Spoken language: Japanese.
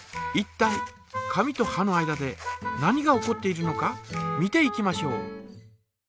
いったい紙とはの間で何が起こっているのか見ていきましょう。